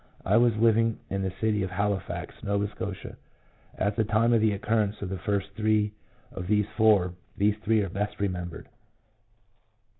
I was living in the city of Halifax, Nova Scotia, at the time of the occurrence of the first three of these four — these three are best remembered.